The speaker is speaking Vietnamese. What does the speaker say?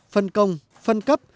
phân công phân cấp